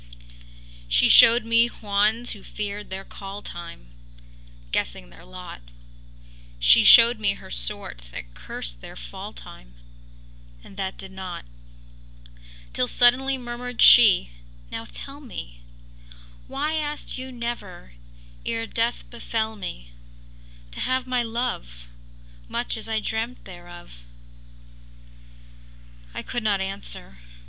She showed me Juans who feared their call time, Guessing their lot; She showed me her sort that cursed their fall time, And that did not. Till suddenly murmured she: “Now, tell me, Why asked you never, ere death befell me, To have my love, Much as I dreamt thereof?” I could not answer.